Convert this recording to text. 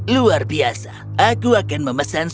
luar biasa aku akan memesan sup kastanye